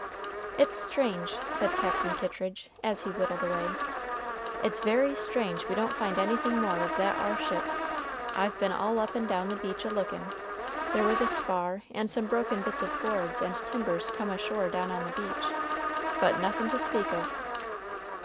"It's strange," said Captain Kittridge, as he whittled away, "it's very strange we don't find anything more of that ar ship. I've been all up and down the beach a lookin'. There was a spar and some broken bits of boards and timbers come ashore down on the beach, but nothin' to speak of."